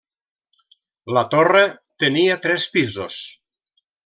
La torre tenia tres pisos.